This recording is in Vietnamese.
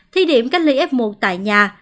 thi điểm cách ly f một tại nhà